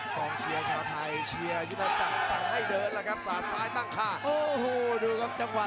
ประเภทมัยยังอย่างปักส่วนขวา